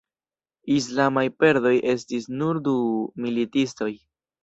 Islamaj perdoj estis nur du militistoj.